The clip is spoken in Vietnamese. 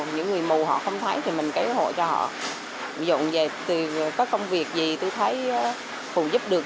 những người mù họ không thấy thì mình kế hộ cho họ ví dụ như vậy thì có công việc gì tôi thấy phù giúp được